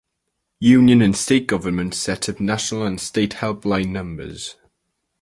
Union and state governments set up national and state helpline numbers.